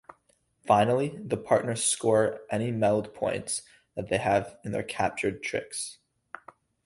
Finally, the partners score any meld points that they have in their captured tricks.